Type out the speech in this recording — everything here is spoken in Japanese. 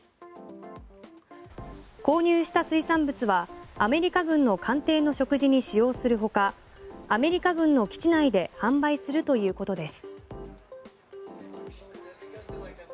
購入した水産物はアメリカ軍の艦艇の食事に使用する他アメリカ軍の基地内で販売するということです。